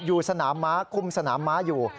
อยู่สนามม้าคุมสนามม้าอยู่